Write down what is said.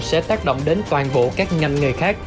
sẽ tác động đến toàn bộ các ngành nghề khác